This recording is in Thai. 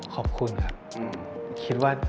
ขอบคุณครับ